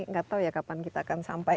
nggak tahu ya kapan kita akan sampai